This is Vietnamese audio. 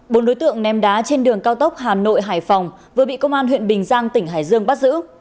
bốn đối tượng ném đá trên đường cao tốc hà nội hải phòng vừa bị công an huyện bình giang tỉnh hải dương bắt giữ